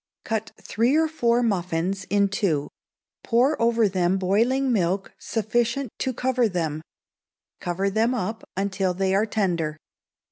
Cut three or four muffins in two, pour over them boiling milk sufficient to cover them, cover them up until they are tender.